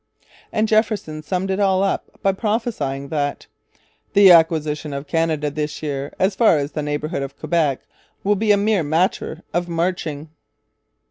And Jefferson summed it all up by prophesying that 'the acquisition of Canada this year, as far as the neighbourhood of Quebec, will be a mere matter of marching.'